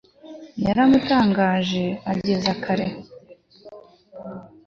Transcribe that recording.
Yaramutangaje ageze kare